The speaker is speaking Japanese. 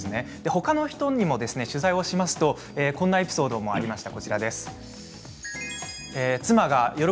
他の人に取材するとこんなエピソードもありました。